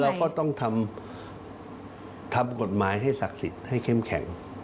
เราก็ต้องทำกฎหมายให้ศักดิ์สิทธิ์ให้เข้มแข็ง